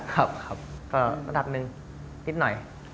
ก็ระดับนึงนิดหน่อย